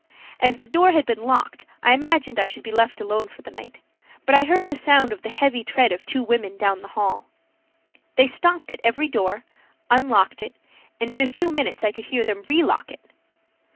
As the door had been locked I imagined I should be left alone for the night, but I heard the sound of the heavy tread of two women down the hall. They stopped at every door, unlocked it, and in a few moments I could hear them relock it.